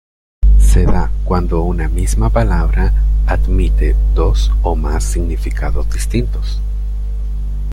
Se da cuando una misma palabra admite dos o más significados distintos.